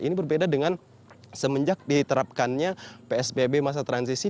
ini berbeda dengan semenjak diterapkannya psbb masa transisi